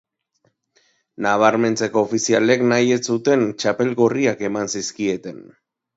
Nabarmentzeko ofizialek nahi ez zuten txapel gorriak eman zizkieten.